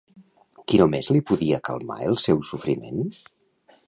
Qui només li podia calmar el seu sofriment?